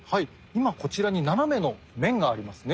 今こちらに斜めの面がありますね。